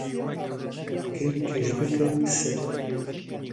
کلکش بکن پسر